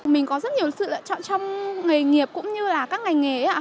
mình có rất nhiều sự lựa chọn trong nghề nghiệp cũng như là các ngành nghề